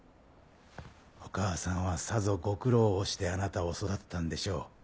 お母さんはさぞご苦労をしてあなたを育てたんでしょう。